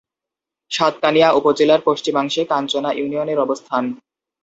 সাতকানিয়া উপজেলার পশ্চিমাংশে কাঞ্চনা ইউনিয়নের অবস্থান।